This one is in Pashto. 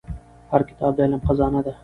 هر کتاب د علم خزانه ده.